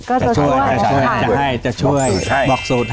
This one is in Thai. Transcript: ก็จะช่วยจะช่วย